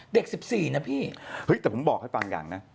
เด็ก๑๔นะพี่เฮ้ยแต่ผมบอกให้ฟังอย่างนะ